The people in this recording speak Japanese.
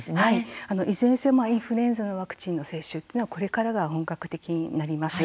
いずれにせよインフルエンザのワクチンの接種というのはこれからが本格的になります。